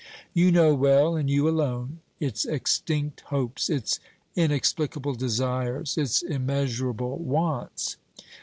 You know well, and you alone, its extinct hopes, its inex plicable desires, its immeasurable wants.